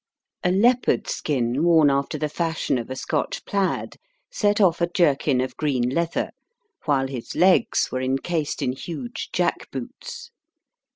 A leopard skin, worn after the fashion of a Scotch plaid, set off a jerkin of green leather, while his legs were encased in huge jack boots.